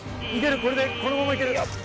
これでこのまま行ける。